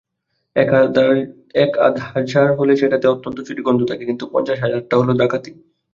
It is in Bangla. এক-আধ হাজার হলে সেটাতে অত্যন্ত চুরির গন্ধ থাকে, কিন্তু পঞ্চাশ হাজারটা হল ডাকাতি।